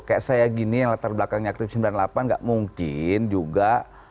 kayak saya gini yang latar belakangnya aktif sembilan puluh delapan gak mungkin juga